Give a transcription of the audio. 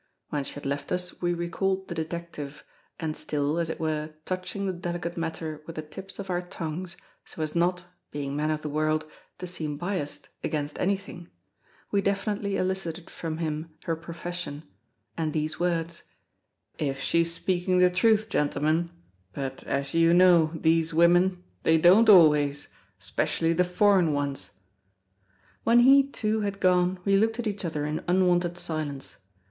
When she had left us we recalled the detective, and still, as it were, touching the delicate matter with the tips of our tongues, so as not, being men of the world, to seem biassed against anything, we definitely elicited from him her profession and these words: "If she's speaking the truth, gentlemen; but, as you know, these women, they don't always, specially the foreign ones!" When he, too, had gone, we looked at each other in unwonted silence.